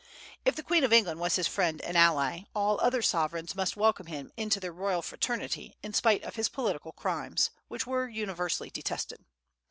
If the Queen of England was his friend and ally, all other sovereigns must welcome him into their royal fraternity in spite of his political crimes, which were universally detested.